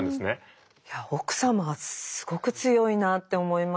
いや奥様はすごく強いなって思いましたね。